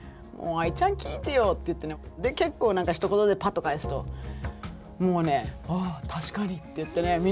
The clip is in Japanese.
もう「ＡＩちゃん聞いてよ」って言ってねで結構何かひと言でパッと返すともうね「ああ確かに」って言ってね